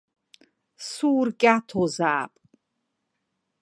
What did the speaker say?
Суркьаҭозаап.